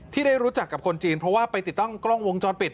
ที่ได้รู้จักกับคนจีนเพราะว่าไปติดตั้งกล้องวงจรปิด